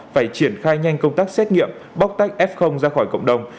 phải triển khai nhanh công tác xét nghiệm bóc tách f ra khỏi cộng đồng